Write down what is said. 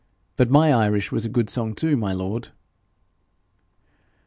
But my Irish was a good song too, my lord.'